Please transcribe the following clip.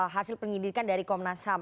hasil penyidikan dari komnas ham